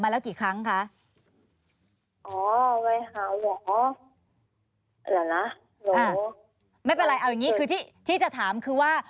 เหรอนะไม่เป็นไรเอาอย่างนี้คือที่จะถามคือว่า